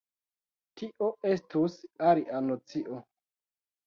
Tio estus alia nocio.